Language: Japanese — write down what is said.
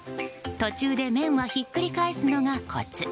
途中で麺はひっくり返すのがコツ。